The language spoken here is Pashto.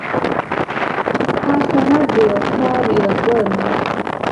هر سند د یو کار یادګار و.